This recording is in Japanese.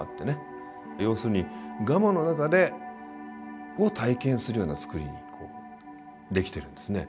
要するにガマの中を体験するような造りにできてるんですね。